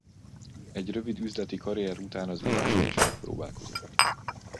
Egy rövid üzleti karrier után az írással is megpróbálkozott.